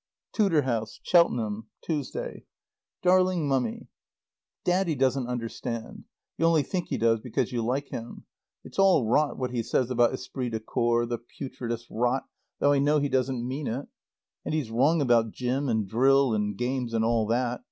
TUDOR HOUSE. CHELTENHAM, Tuesday. DARLING MUMMY: Daddy doesn't understand. You only think he does because you like him. It's all rot what he says about esprit de corps, the putridest rot, though I know he doesn't mean it. And he's wrong about gym, and drill and games and all that.